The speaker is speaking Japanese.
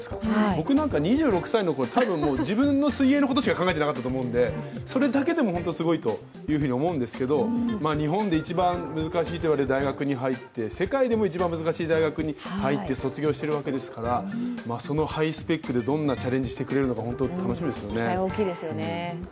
僕なんか２６歳のころ多分、自分の水泳のことしか考えてなかったと思うんでそれだけでも本当にすごいというふうに思うんですけれども、日本で一番難しいと言われる大学に入って、世界でも一番難しい大学に入って卒業してるわけですからそのハイスペックでどんなチャレンジしてくれるのか期待が大きいですよね。